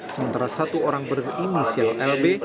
sementara satu orang berinisial lb